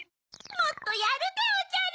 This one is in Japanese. もっとやるでおじゃる。